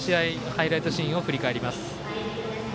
ハイライトシーンを振り返ります。